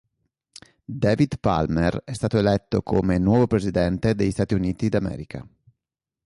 David Palmer è stato eletto come nuovo Presidente degli Stati Uniti d'America.